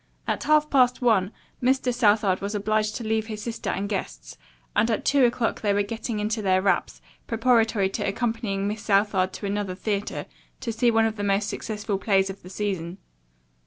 At half past one Mr. Southard was obliged to leave his sister and guests, and at two o'clock they were getting into their wraps, preparatory to accompanying Miss Southard to another theatre to see one of the most successful plays of the season.